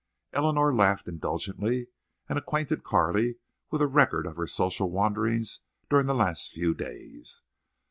Eleanor laughed indulgently, and acquainted Carley with a record of her social wanderings during the last few days.